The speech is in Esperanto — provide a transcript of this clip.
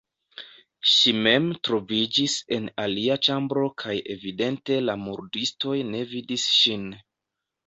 Ŝi mem troviĝis en alia ĉambro kaj evidente la murdistoj ne vidis ŝin.